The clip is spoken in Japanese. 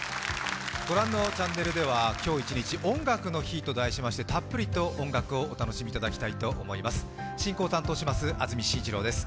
御覧のチャンネルでは今日一日「音楽の日」と題しましてたっぷりと音楽をお楽しみいただきたいと思います。